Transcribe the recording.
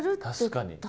確かに。